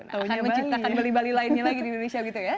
akan menciptakan bali bali lainnya lagi di indonesia gitu ya